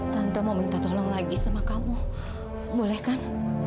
tante mau minta tolong lagi sama kamu boleh kan